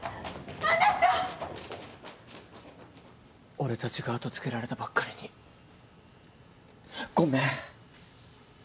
俺たちが後つけられたばっかりにごめん。